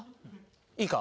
いいか？